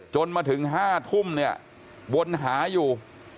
จนมาถึง๕ทุ่มเนี่ยวนหาอยู่